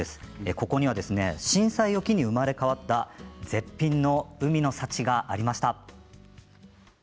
ここには震災を機に生まれ変わった絶品の海の幸がありました。